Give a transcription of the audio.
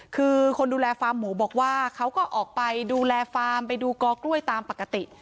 คือคนดูแลฟาร์มหมูบอกว่าเขาก็ออกไปดูแลฟาร์มไปดูกอกล้วยตามปกติ